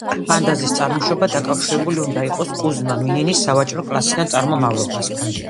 ანდაზის წარმოშობა დაკავშირებული უნდა იყოს კუზმა მინინის სავაჭრო კლასიდან წარმომავლობასთან.